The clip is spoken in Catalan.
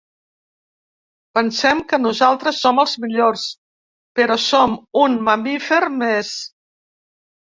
Pensem que nosaltres som els millors, però som un mamífer més.